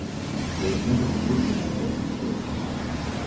Vai Jūs negribat uzzināt, kas viņš ir?